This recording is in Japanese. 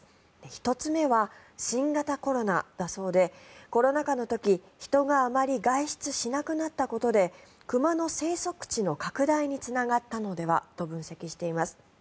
１つ目は新型コロナだそうでコロナ禍の時、人があまり外出しなくなったことで熊の生息地の拡大につながったのではと分析しています。